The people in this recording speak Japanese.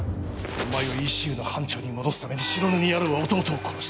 お前をＥＣＵの班長に戻すために白塗り野郎は弟を殺した。